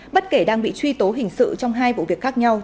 bất kể đang bị truy tố hình sự trong hai vụ việc khác nhau